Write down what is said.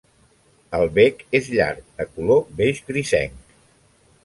El bec és llarg, de color beix grisenc.